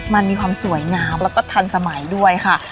มันมีความสวยงามแล้วก็ทันสมัยด้วยค่ะ